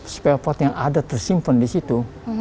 spare part yang ada tersimpan di situ